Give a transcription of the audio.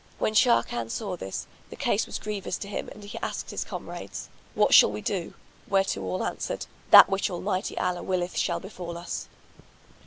When Sharrkan saw this, the case was grievous to him and he asked his comrades "What shall we do?"; whereto all answered, "That which Almighty Allah willeth shall befal us."